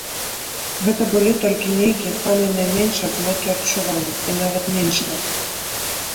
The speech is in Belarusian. Гэта былі толькі нейкія, самыя найменшыя адзнакі адчування, і нават менш таго.